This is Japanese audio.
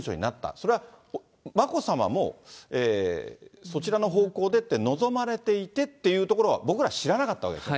それは眞子さまもそちらの方向でって望まれていてっていうところは、僕ら知らなかったですよね。